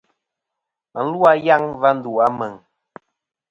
Và lu a yaŋ a va ndu a Meŋ.